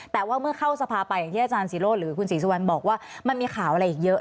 แต่ว่าเมื่อเข้าสภาไปอย่างที่อาจารย์ศิโรธหรือคุณศรีสุวรรณบอกว่ามันมีข่าวอะไรอีกเยอะ